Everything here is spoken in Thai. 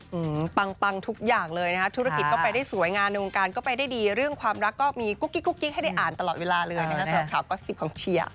อืมปังปังทุกอย่างเลยนะคะธุรกิจก็ไปได้สวยงามในวงการก็ไปได้ดีเรื่องความรักก็มีกุ๊กกิ๊กกุ๊กกิ๊กให้ได้อ่านตลอดเวลาเลยนะคะสำหรับข่าวก๊อตซิบของเชียร์